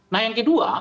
nah yang kedua